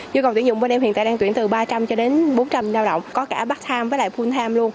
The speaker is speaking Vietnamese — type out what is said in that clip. nhu cầu tuyển dụng bên em hiện tại đang tuyển từ ba trăm linh cho đến bốn trăm linh lao động có cả part time với full time luôn